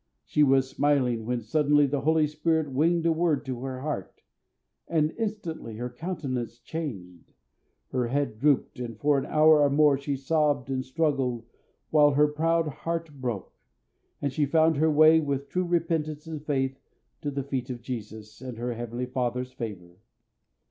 She was smiling when suddenly the Holy Spirit winged a word to her heart, and instantly her countenance changed, her head drooped, and for an hour or more she sobbed and struggled while her proud heart broke, and she found her way with true repentance and faith to the feet of Jesus, and her Heavenly Father's favour.